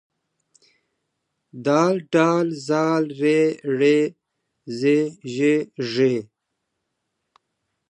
د ډ ذ ر ړ ز ژ ږ